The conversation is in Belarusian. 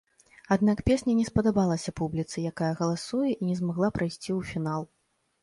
Аднак песня не спадабалася публіцы, якая галасуе, і не змагла прайсці ў фінал.